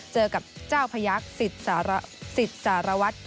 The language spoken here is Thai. เจอกับเจ้าพยักษ์สิทธิ์สารวัตร